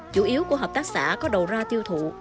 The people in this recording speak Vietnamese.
chủ yếu của hợp tác xã có đầu ra tiêu thụ